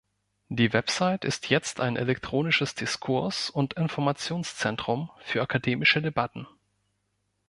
Die Website ist jetzt ein elektronisches Diskurs- und Informationszentrum für akademische Debatten.